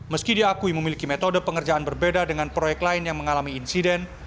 meski diakui memiliki metode pengerjaan berbeda dengan proyek lain yang mengalami insiden